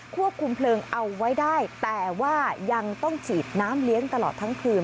ควบคุมเพลิงเอาไว้ได้แต่ว่ายังต้องฉีดน้ำเลี้ยงตลอดทั้งคืน